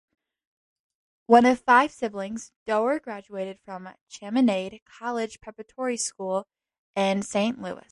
One of five siblings, Doerr graduated from Chaminade College Preparatory School in Saint Louis.